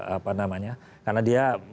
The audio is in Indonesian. apa namanya karena dia